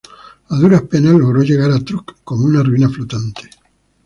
A duras penas logró llegar a Truk como una ruina flotante.